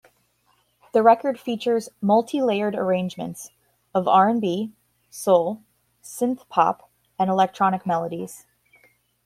The record features multilayered arrangements of R and B, soul, synthpop, and electronic melodies.